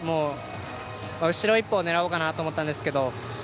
後ろ１歩を狙おうかなと思ったんですが